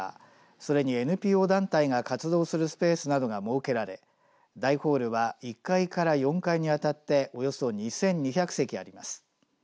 それにＮＰＯ団体が活動するスペースなどが設けられ大ホールは１階から４階にわたっておよそ２２００席あります。